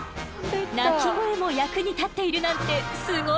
鳴き声も役に立っているなんてすごいでしょ？